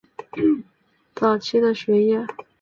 泰累尔在南非开普敦大学完成了早期的学业。